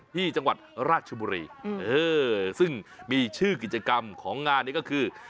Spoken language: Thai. ที่จังหวัดราชบุรีซึ่งมีชื่อกิจกรรมของงานนี้ก็คือ